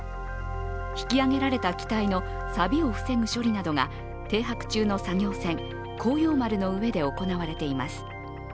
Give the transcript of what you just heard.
引き揚げられた機体のさびを防ぐ処理などが停泊中の作業船「航洋丸」の上で行われています。